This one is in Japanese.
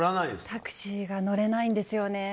タクシーが乗れないんですよね。